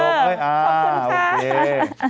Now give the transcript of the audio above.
เออขอบคุณค่ะอ่าโอเคเออไอ้โดมเลยอ่าโอเค